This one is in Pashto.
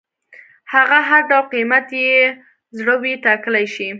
هغه هر ډول قیمت چې یې زړه وي ټاکلی شي.